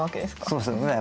そうですね。